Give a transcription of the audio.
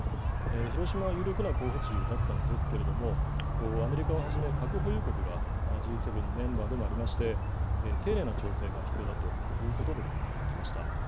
広島は有力な候補地だったんですけれども、アメリカをはじめ、核保有国がＧ７のメンバーでもありまして、丁寧な調整が必要だということで進めてきました。